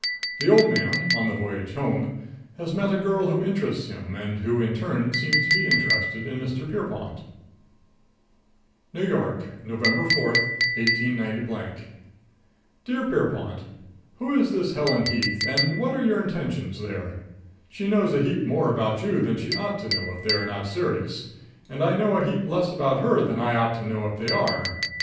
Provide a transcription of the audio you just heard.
|| The old man, on the || voyage home, has met a || girl who interests him || and who in turn seems to || be interested in Mr. || Pierrepont. |++ XIX NEW YORK, November 4, 189 Dear Pierrepont: Who is this Helen Heath, and what are your intentions there? She knows a heap more about you than she ought to know if they're not serious, and I know a heap less about her than I ought to know if they are.